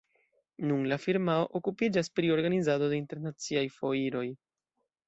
Nun la firmao okupiĝas pri organizado de internaciaj foiroj.